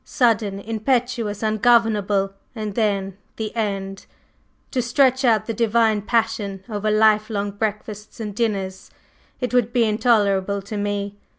Sudden, impetuous, ungovernable, and then the end! To stretch out the divine passion over life long breakfasts and dinners! It would be intolerable to me.